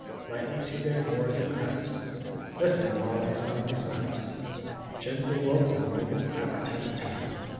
Lightly to their doors it crept, Listened, while they soundly slept; Gently woke them with its rap a tap a tap!